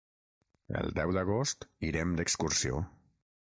El deu d'agost irem d'excursió.